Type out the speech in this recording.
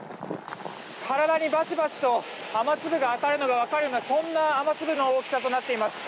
体にバチバチと雨粒が当たるのが分かるようなそんな雨粒の大きさとなっています。